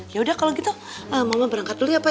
yaudah kalau gitu mama berangkat dulu ya pak